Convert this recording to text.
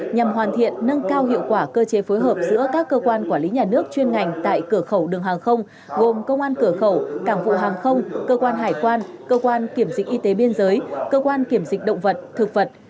nhằm hoàn thiện nâng cao hiệu quả cơ chế phối hợp giữa các cơ quan quản lý nhà nước chuyên ngành tại cửa khẩu đường hàng không gồm công an cửa khẩu cảng vụ hàng không cơ quan hải quan cơ quan kiểm dịch y tế biên giới cơ quan kiểm dịch động vật thực vật